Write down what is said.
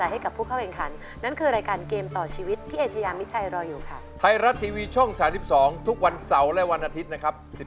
ไทยรัดทีวีช่อง๓๒ทุกวันเสาร์และวันอาทิตย์นะครับ